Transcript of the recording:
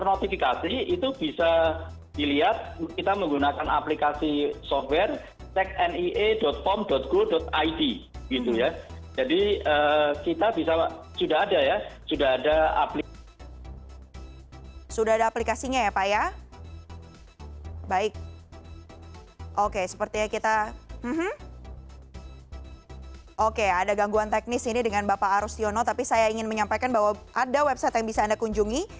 oke ada gangguan teknis ini dengan bapak arustiono tapi saya ingin menyampaikan bahwa ada website yang bisa anda kunjungi